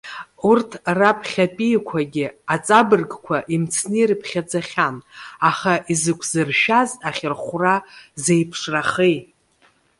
Урҭ раԥхьатәиқәагьы аҵабыргқәа имцны ирыԥхьаӡахьан, аха изықәсыршәаз ахьырхәра зеиԥшрахеи?